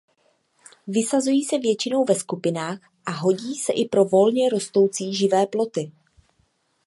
Vysazují se většinou ve skupinách a hodí se i pro volně rostoucí živé ploty.